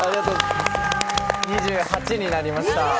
２８になりました。